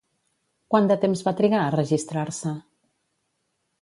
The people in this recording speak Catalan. Quant de temps va trigar a registrar-se?